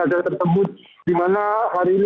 lapas kelas satu tangerang